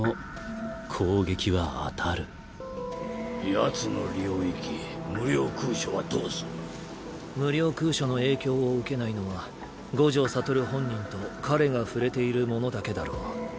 ヤツの領域「無量空処」「無量空処」の影響を受けないのは五条悟本人と彼が触れている者だけだろう。